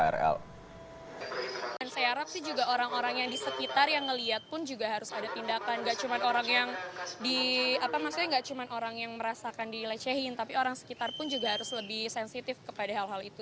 saya harap orang orang yang di sekitar yang melihat pun juga harus ada tindakan tidak cuma orang yang merasakan pelecehan tapi orang sekitar pun juga harus lebih sensitif kepada hal hal itu